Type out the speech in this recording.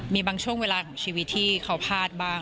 มีบางช่วงเวลาของชีวิตที่เขาพลาดบ้าง